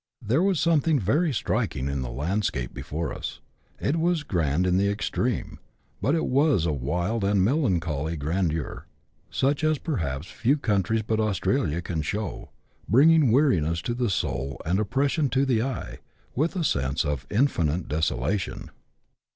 There was something very striking in the landscape before us; it was grand in the extreme, but it was a wild and melancholy grandeur, such as perhaps few countries but Australia can show, bringing weariness to the soul and oppression to the eye, with a sense of infinite desolation.